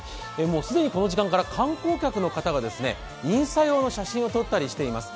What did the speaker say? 既にこの時間から観光客の方がインスタ用の写真を撮ったりしています。